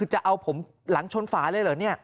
จะเอาผมหลังชนฝาเลยเหรอเนี่ย